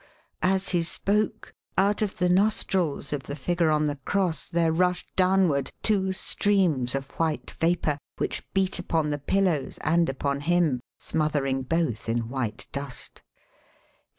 as he spoke, out of the nostrils of the figure on the cross there rushed downward two streams of white vapour which beat upon the pillows and upon him, smothering both in white dust.